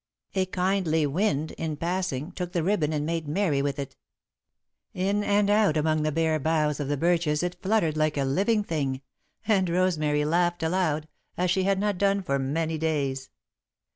A kindly wind, in passing, took the ribbon and made merry with it. In and out among the bare boughs of the birches it fluttered like a living thing, and Rosemary laughed aloud, as she had not done for many days.